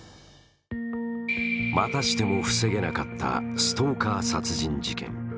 またしても防げなかったストーカー殺人事件。